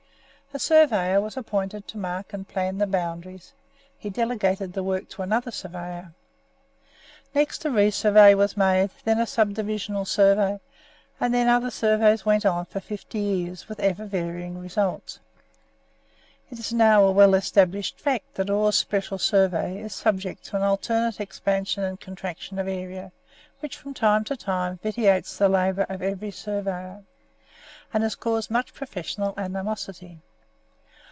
A surveyor was appointed to mark and plan the boundaries; he delegated the work to another surveyor. Next a re survey was made, then a sub divisional survey, and then other surveys went on for fifty years, with ever varying results. It is now a well established fact that Orr's Special Survey is subject to an alternate expansion and contraction of area, which from time to time vitiates the labour of every surveyor, and has caused much professional animosity.